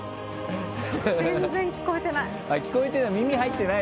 全然聞こえてない。